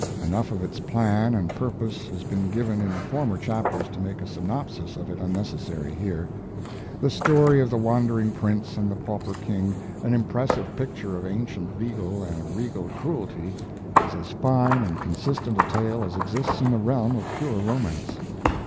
Enough of its plan and purpose has been given in former chapters to make a synopsis of it unnecessary here. The story of the wandering prince and the pauper king an impressive picture of ancient legal and regal cruelty is as fine and consistent a tale as exists in the realm of pure romance.